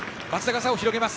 差を広げます。